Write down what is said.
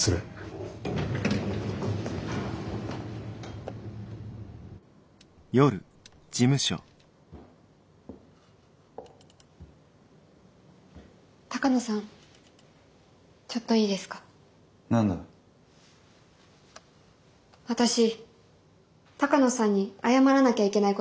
私鷹野さんに謝らなきゃいけないことがあるんです。